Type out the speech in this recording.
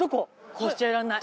こうしちゃいられない。